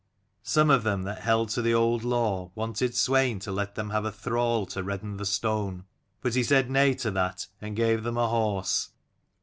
Some of them that held to the old law wanted Swein to let them have a thrall to redden the stone. But he said nay to that, and gave them a horse.